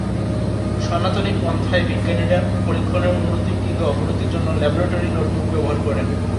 সনাতনী পন্থায় বিজ্ঞানীরা পরীক্ষণের উন্নতি কিংবা অবনতির জন্যে ল্যাবরেটরী নোটবুক ব্যবহার করেন।